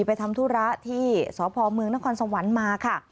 ไปทำธุระที่สพเมืองนครสวรรค์มาค่ะ